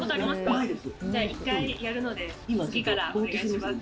１回やるので次からお願いします。